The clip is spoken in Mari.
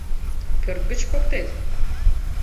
Пӧрт гыч поктет?